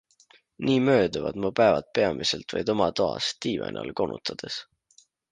Nii mööduvad mu päevad peamiselt vaid oma toas diivani all konutades.